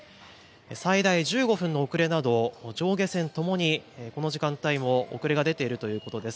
最大１５分の遅れなど上下線ともにこの時間帯も遅れが出ているということです。